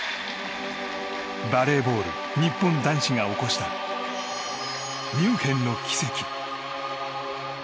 バレーボール日本男子が起こしたミュンヘンの奇跡。